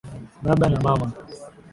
Baba na mama.